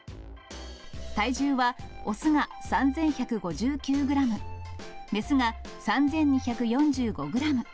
体重は、雄が３１５９グラム、雌が３２４５グラム。